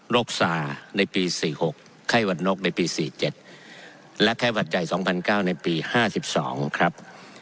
โรคสาในปีสี่หกไข้วัดนกในปีสี่เจ็ดและไข้วัดใหญ่สองพันเก้าในปีห้าสิบสองครับ